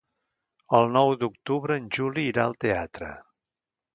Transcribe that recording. El nou d'octubre en Juli irà al teatre.